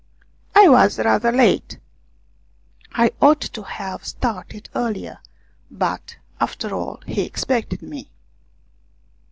I was rather late I ought to have started earlier but, after all, he expected me.